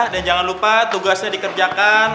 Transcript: dan jangan lupa tugasnya dikerjakan